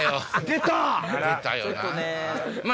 出た！